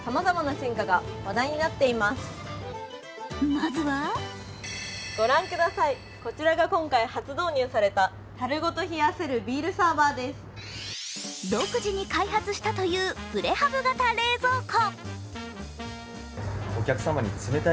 まずは独自に開発したというプレハブ型冷蔵庫。